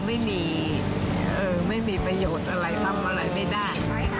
เหมือนกับตัวเราไม่มีประโยชน์อะไรทำอะไรไม่ได้